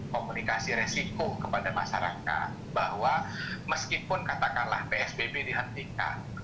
komunikasi resiko kepada masyarakat bahwa meskipun katakanlah psbb dihentikan